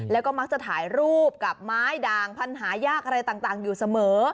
แล้วก็มักจะถ่ายรูปกับไม้ด่างพันหายากอะไรต่างอยู่เสมอ